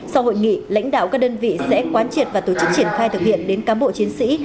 sau hội nghị lãnh đạo các đơn vị sẽ quán triệt và tổ chức triển khai thực hiện đến cám bộ chiến sĩ